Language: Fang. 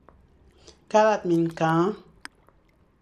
Kala miñkal.